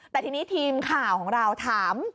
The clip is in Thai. แต่ทีนี้ทีมข่าวของเราถาม